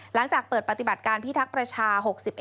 หลังจากเปิดปฏิบัติการพิทักษ์ประชา๖๑